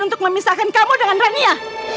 untuk memisahkan kamu dengan rania